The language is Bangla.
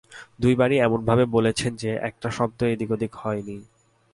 দু বারই এমনভাবে বলেছেন যে, একটি শব্দ এদিক-ওদিক হয় নি।